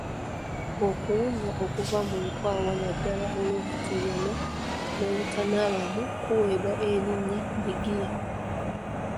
Okuwunya okuva mu nkwawa naddala olw’okutuuyana n’obutanaabamu kuweebwa erinnya Bigiya.